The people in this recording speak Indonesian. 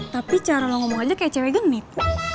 tapi cara ngomong aja kayak cewek genit